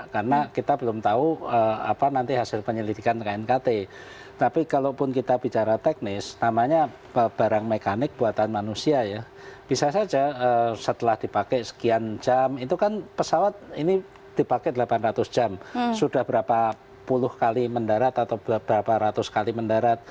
karena kita belum tahu apa nanti hasil penyelidikan knkt tapi kalaupun kita bicara teknis namanya barang mekanik buatan manusia ya bisa saja setelah dipakai sekian jam itu kan pesawat ini dipakai delapan ratus jam sudah berapa puluh kali mendarat atau berapa ratus kali mendarat